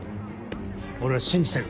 俺は信じてる。